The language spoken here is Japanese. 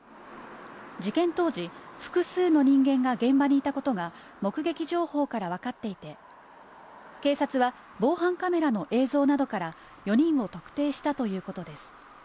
事件当時、複数の人間が現場にいたことが目撃情報からわかっていて、警察は防犯カメラの映像などから４人を特定したということです。